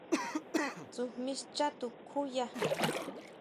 ¿Tsujmí schá tukjuya?